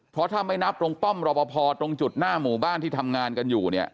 เพราะถ้าไม่นับตรงป้อมรอปภตรงจุดหน้าหมู่บ้านที่ทำงานกันอยู่เนี่ย